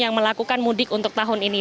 yang melakukan mudik untuk tahun ini